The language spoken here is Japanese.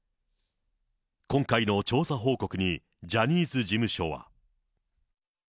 今回の調査報告に、ジャニーズ事務所は。